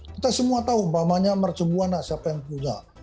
kita semua tahu umpamanya mercegwana siapa yang punya